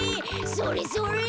それそれ！